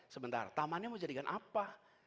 sementara tamannya mau jadikan apa